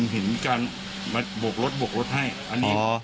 เห็นมันการบกรถให้อันนี้